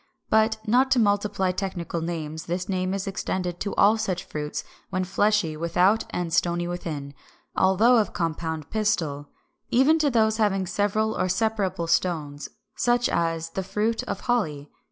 But, not to multiply technical names, this name is extended to all such fruits when fleshy without and stony within, although of compound pistil, even to those having several or separable stones, such as the fruit of Holly.